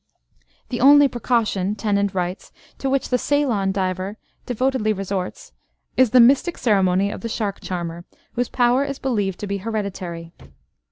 "The only precaution," Tennent writes, "to which the Ceylon diver devotedly resorts is the mystic ceremony of the shark charmer, whose power is believed to be hereditary.